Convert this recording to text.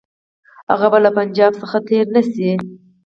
هغه به له پنجاب څخه تېر نه شي.